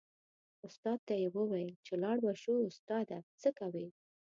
استاد ته یې و ویل چې لاړ به شو استاده څه کوې.